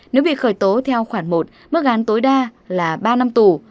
nếu bị khởi tố theo khoản một mức án tối đa là ba năm tù